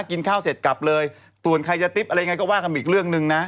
กินข้าวเสร็จกลับเลยส่วนใครจะติ๊บอะไรยังไงก็ว่ากันอีกเรื่องหนึ่งนะ